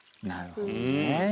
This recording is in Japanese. なるほどねぇ。